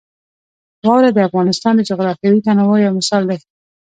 واوره د افغانستان د جغرافیوي تنوع یو مثال دی.